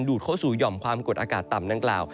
ดเข้าสู่หย่อมความกดอากาศต่ำดังกล่าว